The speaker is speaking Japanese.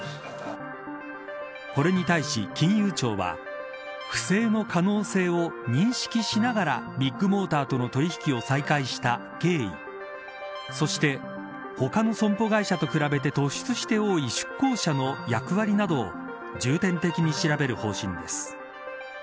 これに対し、金融庁は不正の可能性を認識しながらビッグモーターとの取引を再開した経緯そして他の損保会社と比べて突出して多い出向者の役割などを重点的に調べる方針です。